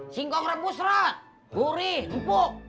singkong rebus rah gurih empuk